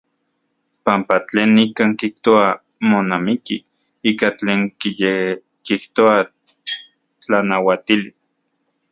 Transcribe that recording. Panpa tlen nikan kijtoa monamiki ika tlen kiyekijtoa tlanauatili.